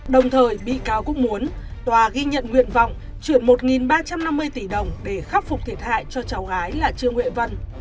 đồng thời bị cáo cũng muốn tòa ghi nhận nguyện vọng chuyển một ba trăm năm mươi tỷ đồng để khắc phục thiệt hại cho cháu gái là trương huệ vân